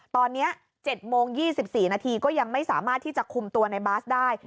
ตอนนี้๗โมง๒๔นาทีก็ยังไม่สามารถที่จะคุมตัวในบาสได้